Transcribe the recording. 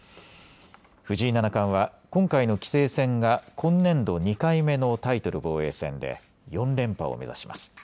藤井七冠は今回の棋聖戦が今年度２回目のタイトル防衛戦で４連覇を目指します。